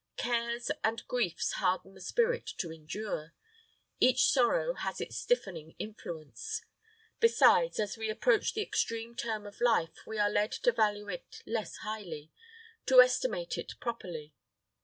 Cares and griefs harden the spirit to endure. Each sorrow has its stiffening influence. Besides, as we approach the extreme term of life, we are led to value it less highly to estimate it properly.